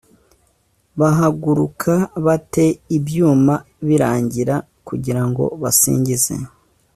bahaguruka ba te ibyuma birangira kugira ngo basingize